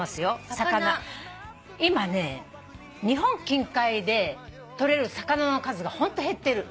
今ね日本近海でとれる魚の数がホント減ってる。